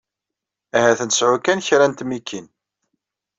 Ahat ad nesɛu kan kra n tmikin.